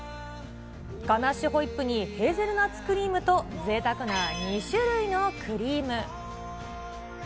ガナッシュホイップにヘーゼルナッツクリームとぜいたくな２種類のクリーム。